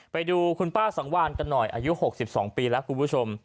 ไปดูคุณป้าสังวานกันหน่อยอายุหกสิบสองปีล่ะคุณผู้ชม